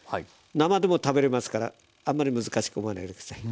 生でも食べれますからあんまり難しく思わないで下さい。